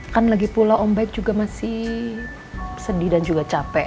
kan lagi pula om baik juga masih sedih dan juga capek